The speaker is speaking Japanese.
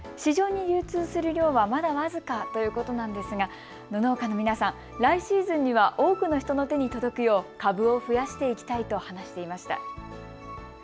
市場に流通する量はまだ僅かということなんですが農家の皆さん、来シーズンには多くの人の手に届くよう株を増やしていきたいと話していました。